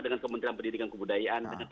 dengan kementerian pendidikan kebudayaan